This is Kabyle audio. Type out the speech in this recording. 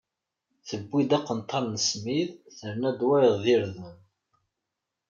Tewwi-d aqenṭar n smid, terna-d wayeḍ d irden.